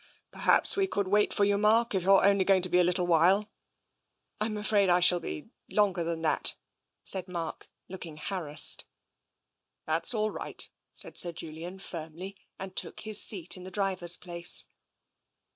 " Perhaps we could wait for you, Mark, if you're only going to be a little while." " Fm afraid I shall be longer than that," said Mark, looking harassed. " That's all right," said Sir Julian firmly, and took his seat in the driver's place.